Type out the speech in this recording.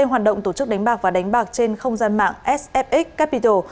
trên hoạt động tổ chức đánh bạc và đánh bạc trên không gian mạng sfx capital